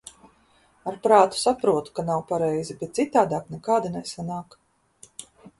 Ar prātu saprotu, ka nav pareizi, bet citādāk nekādi nesanāk.